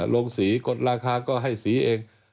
ลงสีกดราคาก็ให้สีเอง